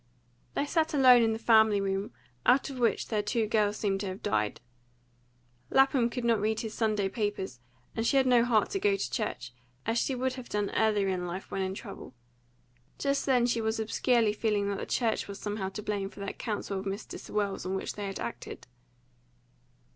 They sat alone in the family room, out of which their two girls seemed to have died. Lapham could not read his Sunday papers, and she had no heart to go to church, as she would have done earlier in life when in trouble. Just then she was obscurely feeling that the church was somehow to blame for that counsel of Mr. Sewell's on which they had acted.